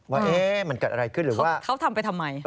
ว่ามันเกิดอะไรขึ้นหรือว่าเขาทำไปทำไม